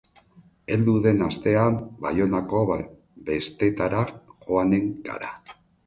Heldu den astean Baionako bestetara joanen gara.